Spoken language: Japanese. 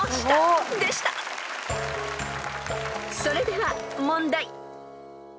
［それでは問題］